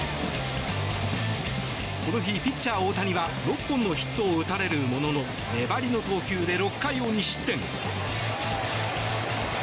この日、ピッチャー大谷は６本のヒットを打たれるものの粘りの投球で６回を２失点。